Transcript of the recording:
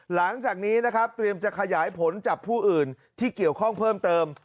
หลังจากนี้นะครับเตรียมจะขยายผลจับผู้อื่นที่เกี่ยวข้องเพิ่มเติม